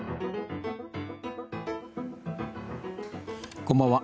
こんばんは。